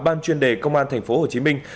ban chuyên đề công an thành phố hồ chí minh